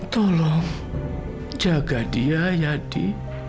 tolong jaga dia yadi